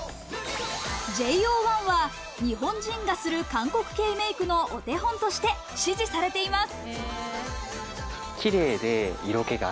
ＪＯ１は日本人がする韓国系メイクのお手本として支持されています。